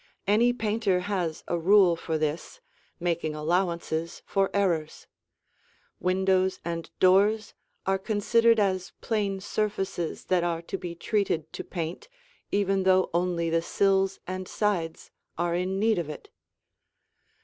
Any painter has a rule for this, making allowances for errors. Windows and doors are considered as plain surfaces that are to be treated to paint even though only the sills and sides are in need of it.